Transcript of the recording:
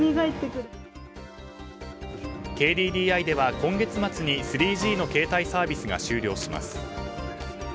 ＫＤＤＩでは今月末に３Ｇの携帯サービスが終了します。